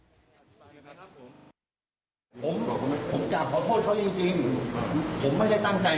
ผมผมจะขอโทษเขาจริงจริงผมไม่ได้ตั้งใจไม่ได้เจรตนา